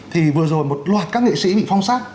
thì vừa rồi một loạt các nghệ sĩ bị phong sát